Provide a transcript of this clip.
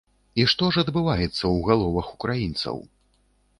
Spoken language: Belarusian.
І што ж адбываецца ў галовах украінцаў?